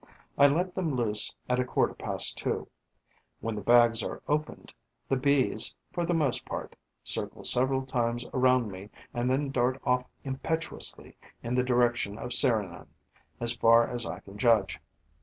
I let them loose at a quarter past two. When the bags are opened, the Bees, for the most part, circle several times around me and then dart off impetuously in the direction of Serignan, as far as I can judge.